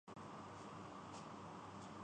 سفر آپ نے ہیلی کاپٹر پہ کرنے ہوں۔